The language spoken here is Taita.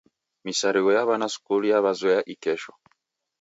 Misarigho ya w'ana sukulu raw'ezoya ikesho.